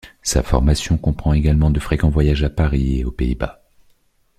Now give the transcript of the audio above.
Sa formation comprend également de fréquents voyages à Paris et aux Pays-Bas.